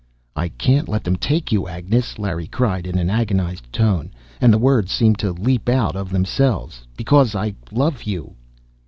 "I can't let them take you, Agnes!" Larry cried, in an agonized tone. And the words seemed to leap out, of themselves, "Because I love you!"